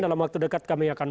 dalam waktu dekat kami akan